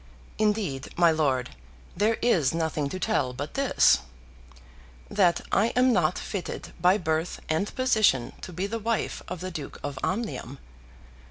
Indeed, my lord, there is nothing to tell but this, that I am not fitted by birth and position to be the wife of the Duke of Omnium.